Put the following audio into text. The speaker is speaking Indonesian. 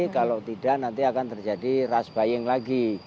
kalau tidak nanti akan terjadi ras baying lagi